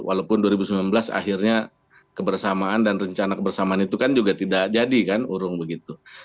walaupun dua ribu sembilan belas akhirnya kebersamaan dan rencana kebersamaan itu kan juga tidak jadi kan urung begitu